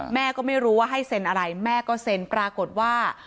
แม่ก็ไม่รู้ว่าให้เซ็นอะไรแม่ก็เซ็นปรากฏว่า